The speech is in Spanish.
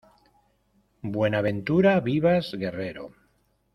Buenaventura Vivas Guerrero.